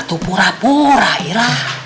aku pura pura irah